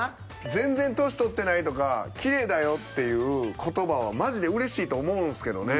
「全然年取ってない」とか「キレイだよ」っていう言葉はマジでうれしいと思うんすけどね。